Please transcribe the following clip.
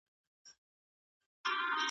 بس له اسمانه تندرونه اوري ,